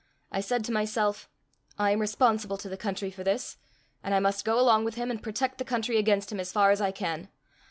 I said to myself, I am responsible to the country for this, and I must go along with him and protect the country against him as far as I can.